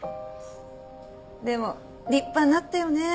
でも立派になったよねえ